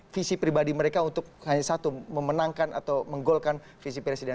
visi pribadi mereka untuk hanya satu memenangkan atau menggolkan visi presiden